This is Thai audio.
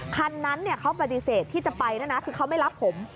คันนั้นเขาปฏิเสธที่จะไปด้วยนะคือเขาไม่รับผม